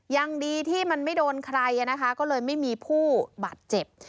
ยังดีที่มันไม่โดนใครนะคะก็เลยไม่มีผู้บาดเจ็บ